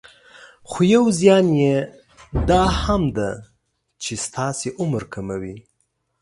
خو يو زيان يي دا هم ده چې ستاسې عمر کموي.